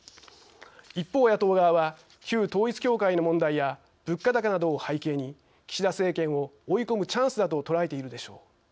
一方、野党側は旧統一教会の問題や物価高などを背景に岸田政権を追い込むチャンスだと捉えているでしょう。